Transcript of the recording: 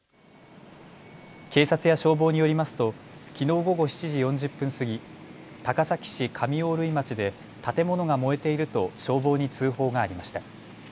警察や消防によりますときのう午後７時４０分過ぎ、高崎市上大類町で建物が燃えていると消防に通報がありました。